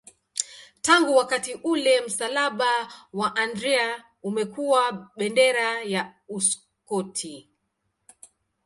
Tangu wakati ule msalaba wa Andrea umekuwa bendera ya Uskoti.